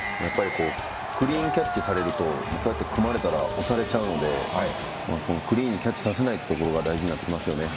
クリーンキャッチされるとこうやって組まれたら押されちゃうのでクリーンにキャッチさせないというところが大事になってきますよね。